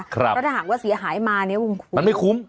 เพราะถ้าหากว่าเสียหายมาเนี่ยมันไม่คุ้ม